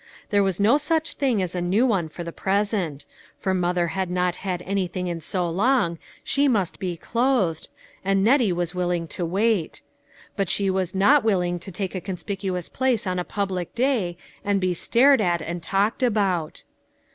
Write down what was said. There was no such thing as a new one for the present ; for mother had not had anything in so long, she must be clothed, and Nettie was willing to wait ; but she was not willing to take a conspicuous place on a public day and be stared at and talked about.